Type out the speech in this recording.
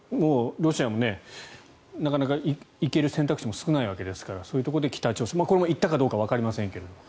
ロシアもなかなか行ける選択肢も少ないわけですからそういうところで北朝鮮これも行ったかどうかわかりませんが。